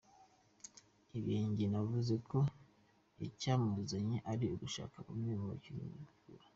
Ibenge yavuze ko icyamuzanye ari ugushaka bamwe mu bakinnyi yagura.